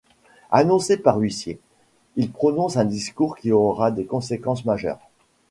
Annoncé par l'huissier, il prononce un discours qui aura des conséquences majeures.